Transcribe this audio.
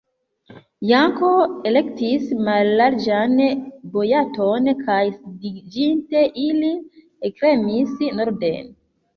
Janko elektis mallarĝan boaton kaj sidiĝinte, ili ekremis norden.